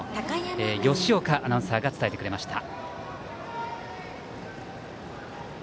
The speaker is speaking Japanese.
吉岡アナウンサーが伝えてくれました。